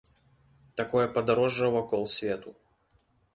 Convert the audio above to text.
Такое падарожжа вакол свету.